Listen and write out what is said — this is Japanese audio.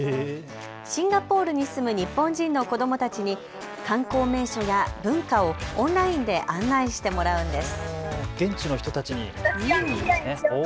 シンガポールに住む日本人の子どもたちに観光名所や文化をオンラインで案内してもらうんです。